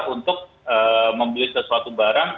untuk membeli sesuatu barang